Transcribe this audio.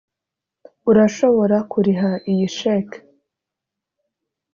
urashobora kuriha iyi cheque?